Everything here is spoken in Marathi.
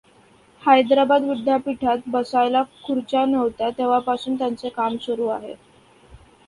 हैदराबाद विद्यापीठात, बसायला खुच्र्या नव्हत्या तेव्हापासून त्यांचे काम सुरू आहे.